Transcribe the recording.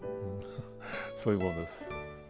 そういうもんです。